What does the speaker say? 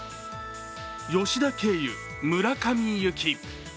吉田経由村上行き。